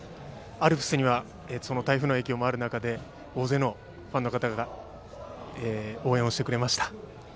アルプスにはその台風の影響もある中で大勢のファンの方が応援してくれました。